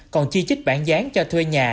còn chi trích bản gián cho thuê nhà